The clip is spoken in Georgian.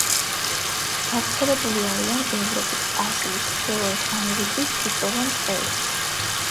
გავრცელებული არიან ევროპის, აზიის, ჩრდილოეთ ამერიკის წიწვიან ტყეებში.